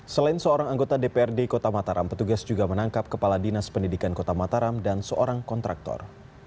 selain seorang anggota dprd kota mataram petugas juga menangkap kepala dinas pendidikan kota mataram dan seorang kontraktor